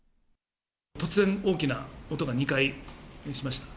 突然大きな音が２回しました。